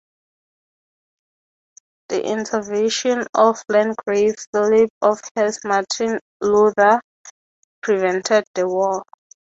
The intervention of the Landgrave Philip of Hesse and Martin Luther prevented the war.